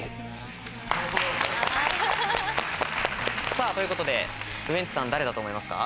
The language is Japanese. さぁということでウエンツさん誰だと思いますか？